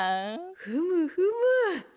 ふむふむ。